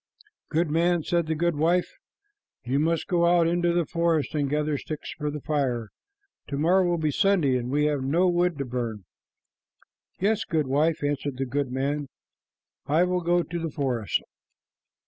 "Goodman," said the goodwife, "you must go out into the forest and gather sticks for the fire. To morrow will be Sunday, and we have no wood to burn." "Yes, goodwife," answered the goodman, "I will go to the forest."